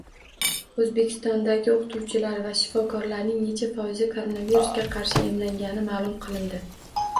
O‘zbekistondagi o‘qituvchilar va shifokorlarning necha foizi koronavirusga qarshi emlangani ma’lum qilindi